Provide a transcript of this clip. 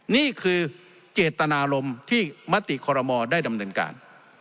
นี่คือเจตนารมณ์ที่มติคอรมอลได้ดำเนินการ